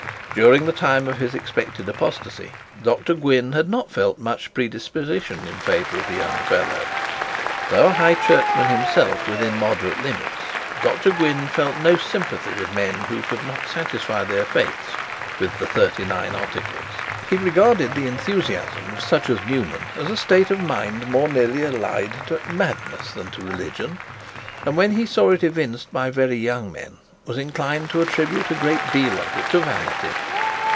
During the time of his expected apostasy, Dr Gwynne had not felt much predisposition in favour of the young fellow. Though a High Churchman himself within moderate limits, Dr Gwynne felt no sympathy with men who could not satisfy their faiths with the Thirty nine Articles. He regarded the enthusiasm of such as Newman as a state of mind more nearly allied to madness than to religion; and when he saw it evinced by a very young men, was inclined to attribute a good deal of it to vanity.